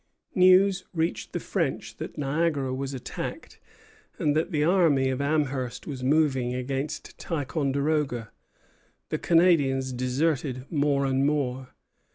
News reached the French that Niagara was attacked, and that the army of Amherst was moving against Ticonderoga. The Canadians deserted more and more.